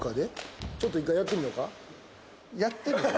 ちょっと１回やってみようか。